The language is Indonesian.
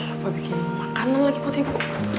apa bikin makanan lagi putih ibu